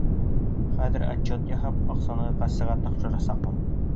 Хәҙер отчет яһап, аҡсамды кассаға тапшырасаҡмын.